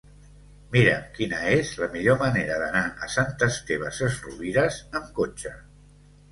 Mira'm quina és la millor manera d'anar a Sant Esteve Sesrovires amb cotxe.